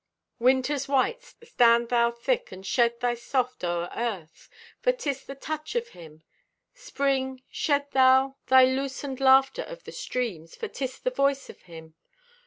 Winter's white, stand thou thick And shed thy soft o'er earth, For 'tis the touch of Him. Spring, shed thou thy loosened Laughter of the streams, For 'tis the voice of Him.